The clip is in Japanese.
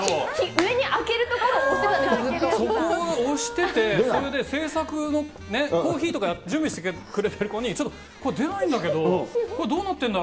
上に開ける所を押してたんでそこを押してて、それで制作のね、コーヒーとか準備してくれてる子に、ちょっとこれ、出ないんだけど、これ、どうなってんだろ？